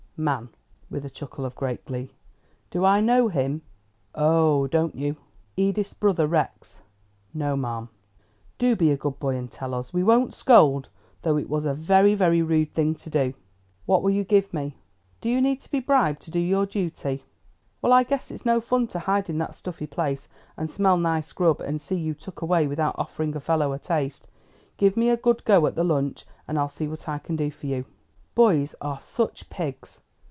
"Man," with a chuckle of great glee. "Do I know him?" "Oh, don't you!" "Edith's brother Rex?" "No, ma'am." "Do be a good boy, and tell us. We won't scold, though it was a very, very rude thing to do." "What will you give me?" "Do you need to be bribed to do your duty?" "Well, I guess it's no fun to hide in that stuffy place, and smell nice grub, and see you tuck away without offering a fellow a taste. Give me a good go at the lunch, and I'll see what I can do for you." "Boys are such pigs!